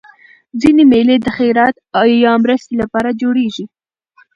ځيني مېلې د خیرات یا مرستي له پاره جوړېږي.